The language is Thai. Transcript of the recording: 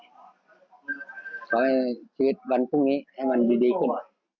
ขอให้ชีวิตวันพรุ่งนี้ให้มันดีขึ้น